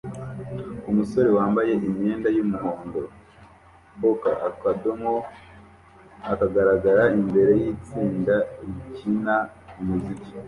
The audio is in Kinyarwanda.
Umusore wambaye imyenda yumuhondo polka akadomo ahagarara imbere yitsinda rikina umuziki